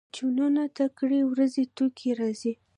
چتونو ته کرۍ ورځ توتکۍ راځي